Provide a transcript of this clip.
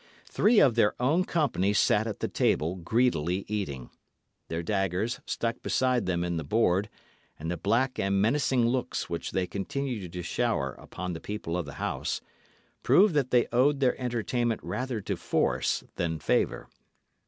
Three of their own company sat at the table, greedily eating. Their daggers, stuck beside them in the board, and the black and menacing looks which they continued to shower upon the people of the house, proved that they owed their entertainment rather to force than favour.